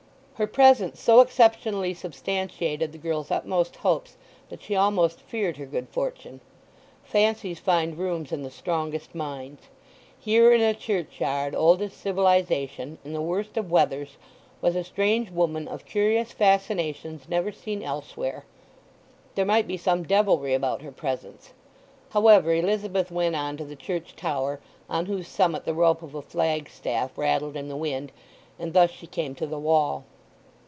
Her presence so exceptionally substantiated the girl's utmost hopes that she almost feared her good fortune. Fancies find rooms in the strongest minds. Here, in a churchyard old as civilization, in the worst of weathers, was a strange woman of curious fascinations never seen elsewhere: there might be some devilry about her presence. However, Elizabeth went on to the church tower, on whose summit the rope of a flagstaff rattled in the wind; and thus she came to the wall.